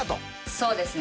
そうですね。